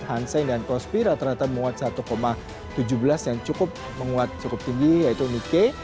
han seng dan kospi rata rata menguat satu tujuh belas yang cukup menguat cukup tinggi yaitu nikkei